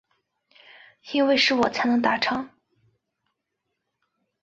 因为是我才能达成